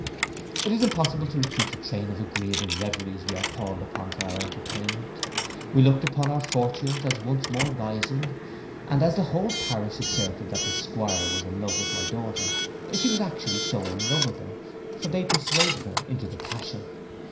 It is impossible to repeat the train of agreeable reveries we called up for our entertainment. We looked upon our fortunes as once more rising; and as the whole parish asserted that the 'Squire was in love with my daughter, she was actually so with him; for they persuaded her into the passion.